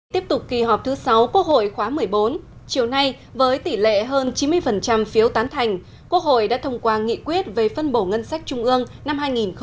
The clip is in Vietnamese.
tiếp tục kỳ họp thứ sáu quốc hội khóa một mươi bốn chiều nay với tỷ lệ hơn chín mươi phiếu tán thành quốc hội đã thông qua nghị quyết về phân bổ ngân sách trung ương năm hai nghìn hai mươi